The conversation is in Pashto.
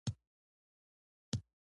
زرداد وویل: چېرته پیتاوي ته کېنو که څنګه.